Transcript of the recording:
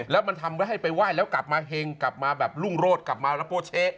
แล้วมันทำให้ไปไหว้แล้วกลับมาเห็งกลับมาแบบรุ่งโรดกลับมาแล้วโป้เช๊